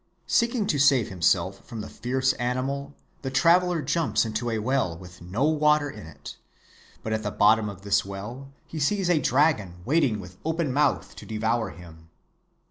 "Seeking to save himself from the fierce animal, the traveler jumps into a well with no water in it; but at the bottom of this well he sees a dragon waiting with open mouth to devour him.